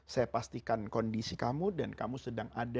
saya pastikan kondisi kamu dan kamu yang berkata